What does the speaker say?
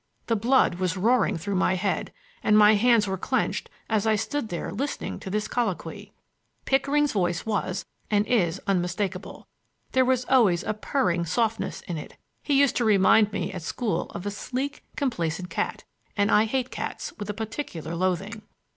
The blood was roaring through my head, and my hands were clenched as I stood there listening to this colloquy. Pickering's voice was—and is—unmistakable. There was always a purring softness in it. He used to remind me at school of a sleek, complacent cat, and I hate cats with particular loathing.